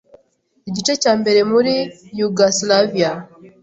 igice cya mbere muri Yugoslavia,